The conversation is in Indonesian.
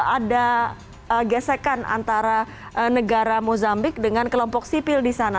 ada gesekan antara negara mozambik dengan kelompok sipil di sana